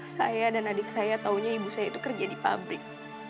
saya dan adik saya taunya ibu saya itu kerja di pabrik